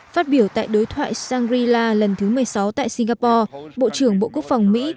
phát biểu tại đối thoại shangri la lần thứ một mươi sáu tại singapore bộ trưởng bộ quốc phòng mỹ